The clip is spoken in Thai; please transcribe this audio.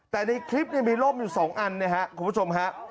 แต่ในคลิปมีร่มอยู่๒อันนะครับคุณผู้ชมฮะ